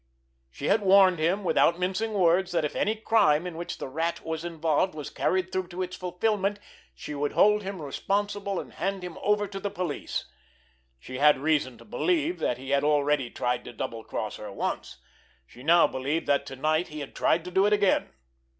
She had warned him, without mincing words, that if any crime in which the Rat was involved was carried through to its fulfilment she would hold him responsible and hand him over to the police. She had reason to believe that he had already tried to double cross her once; she now believed that to night he had tried to do it again.